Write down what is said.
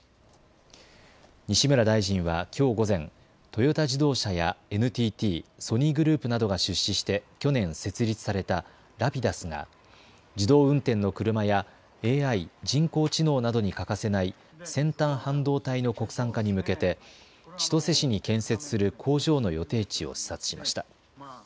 西村大臣はきょう午前、トヨタ自動車やＮＴＴ、ソニーグループなどが出資して去年設立されたＲａｐｉｄｕｓが自動運転の車やＡＩ・人工知能などに欠かせない先端半導体の国産化に向けて千歳市に建設する工場の予定地を視察しました。